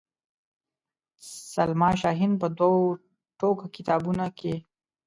سلما شاهین په دوو ټوکه کتابونو کې.